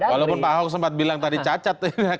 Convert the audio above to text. walaupun pak ahok sempat bilang tadi cacat